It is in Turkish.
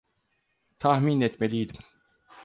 Tahmin etmeliydim.